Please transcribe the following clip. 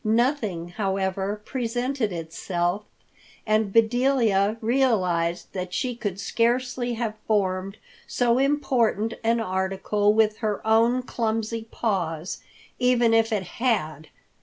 Nothing, however, presented itself, and Bedelia realized that she could scarcely have formed so important an article with her own clumsy paws, even if it had.